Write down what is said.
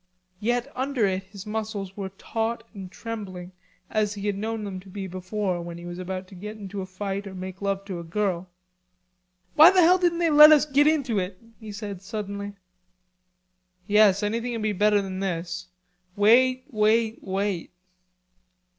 Yet under it his muscles were taut and trembling as he had known them to be before when he was about to get into a fight or to make love to a girl. "Why the hell don't they let us git into it?" he said suddenly. "Yes, anything'ld be better than this... wait, wait, wait."